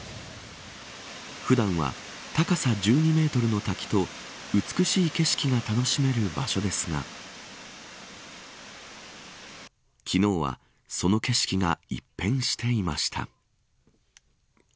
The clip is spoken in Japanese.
普段は高さ１２メートルの滝と美しい景色が楽しめる場所ですが昨日はその景色が一変していました。